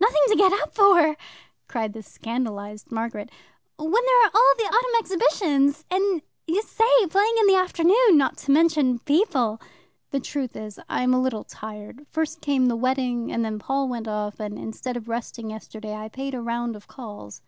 "Nothing to get up for?" cried the scandalized Margaret. "When there are all the autumn exhibitions, and Ysaye playing in the afternoon! Not to mention people." "The truth is, I am a little tired. First came the wedding, and then Paul went off, and, instead of resting yesterday, I paid a round of calls."